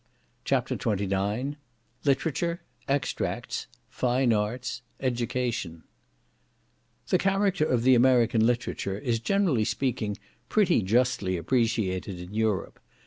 CHAPTER XXIX Literature—Extracts—Fine Arts—Education The character of the American literature is, generally speaking, pretty justly appreciated in Europe.